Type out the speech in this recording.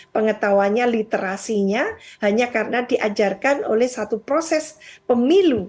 pengetahuannya literasinya hanya karena diajarkan oleh satu proses pemilu